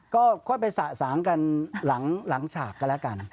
ก็ไปศาสางกันหลังชากก็และกัน